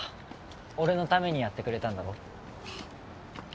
俺のためにやってくれたんだろ？